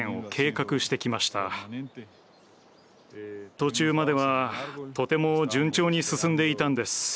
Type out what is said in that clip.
途中まではとても順調に進んでいたんです。